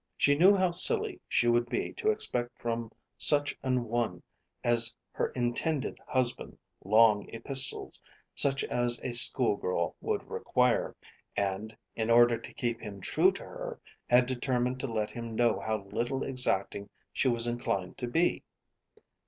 She knew how silly she would be to expect from such an one as her intended husband long epistles such as a school girl would require, and, in order to keep him true to her, had determined to let him know how little exacting she was inclined to be.